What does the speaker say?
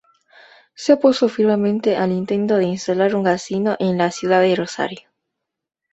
Se opuso firmemente al intento de instalar un casino en la ciudad de Rosario.